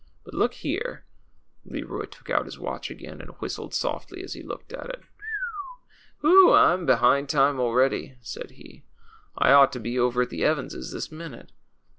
But look here "— Leroy took out his watch again, and whistled softly as he looked at it. " Whew ! I'm behind time already," said he ;" I ought to he over at the Evans' this minute.